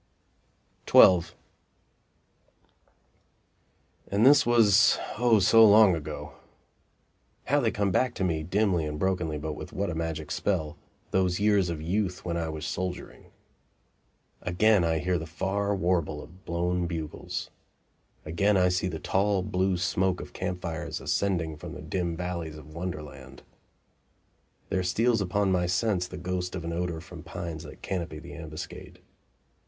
XII And this was, O so long ago! How they come back to me dimly and brokenly, but with what a magic spell those years of youth when I was soldiering! Again I hear the far warble of blown bugles. Again I see the tall, blue smoke of camp fires ascending from the dim valleys of Wonderland. There steals upon my sense the ghost of an odor from pines that canopy the ambuscade.